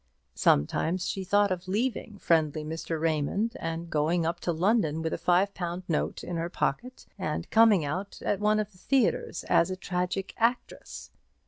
Sometimes she thought of leaving friendly Mr. Raymond, and going up to London with a five pound note in her pocket, and coming out at one of the theatres as a tragic actress.